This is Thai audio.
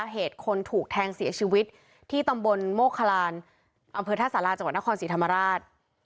เหตุคนถูกแทงเสียชีวิตที่ตำบลโมคลานอำเภอท่าสาราจังหวัดนครศรีธรรมราช